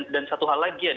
dan satu hal lagi